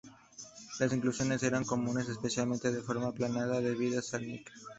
Las inclusiones eran comunes, especialmente de forma aplanada, debidas al níquel.